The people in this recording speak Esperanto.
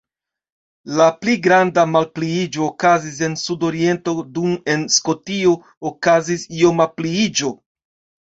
La pli granda malpliiĝo okazis en sudoriento, dum en Skotio okazis ioma pliiĝo.